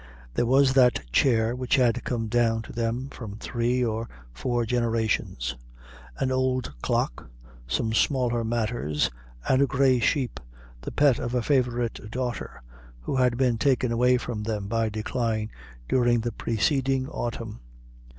There was that chair, which had come down to them from three or four generations; an old clock, some smaller matters, and a grey sheep, the pet of a favorite daughter, who had been taken away from them by decline during the preceding autumn.